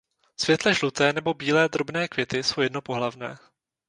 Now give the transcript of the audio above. Světle žluté nebo bílé drobné květy jsou jednopohlavné.